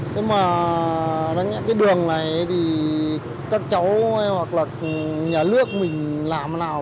thế mà đáng nhận cái đường này thì các cháu hoặc là nhà lước mình làm nào